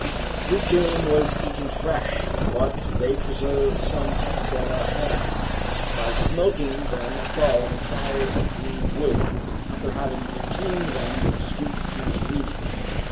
This game was eaten fresh, but they preserved some capybara hams, by smoking them above a fire of green wood, after having perfumed them with sweet smelling leaves.